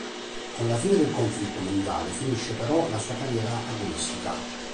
Con la fine del conflitto mondiale finisce però la sua carriera agonistica.